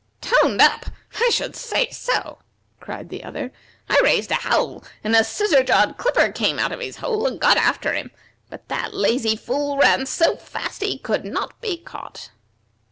"Toned up! I should say so!" cried the other. "I raised a howl, and a Scissor jawed Clipper came out of his hole, and got after him; but that lazy fool ran so fast that he could not be caught."